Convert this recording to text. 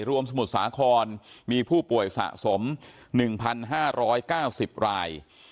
สมุทรสาครมีผู้ป่วยสะสม๑๕๙๐ราย